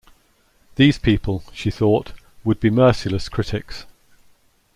These people, she thought, would be merciless critics.